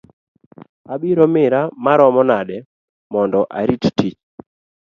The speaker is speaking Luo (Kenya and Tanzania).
Abiro mira maromo nade mondo arit tich?